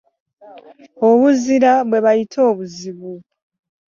Obuzira bwe bayita obuzibu .